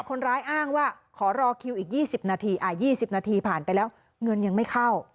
คนร้ายอ้างว่าขอรอคิวอีก๒๐นาที๒๐นาทีผ่านไปแล้วเงินยังไม่เข้า